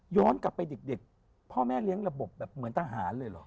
กลับไปเด็กพ่อแม่เลี้ยงระบบแบบเหมือนทหารเลยเหรอ